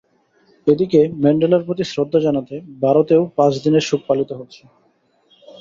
এদিকে ম্যান্ডেলার প্রতি শ্রদ্ধা জানাতে ভারতেও পাঁচ দিনের শোক পালিত হচ্ছে।